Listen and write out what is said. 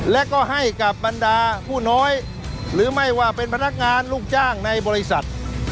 และก็ให้กับบรรดาผู้น้อยหรือไม่ว่าเป็นพนักงานลูกจ้างในบริษัท